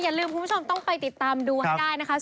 อย่าลืมคุณผู้ชมต้องไปติดตามดูให้ได้นะคะ